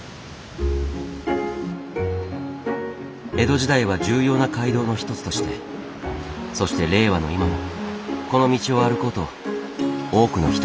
江戸時代は重要な街道の一つとしてそして令和の今もこの道を歩こうと多くの人がやって来る。